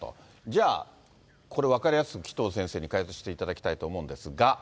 じゃあ、これ分かりやすく、紀藤先生に解説していただきたいと思うんですが。